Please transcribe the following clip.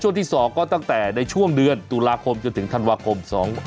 ช่วงที่สองก็ตั้งแต่ช่วงดื้อนตุลาคมถึงธันวาคม๒๕๖๔